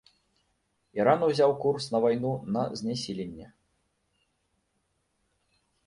Іран ўзяў курс на вайну на знясіленне.